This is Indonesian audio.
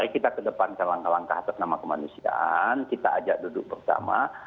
kita ke depan ke langkah langkah ternama kemanusiaan kita ajak duduk bersama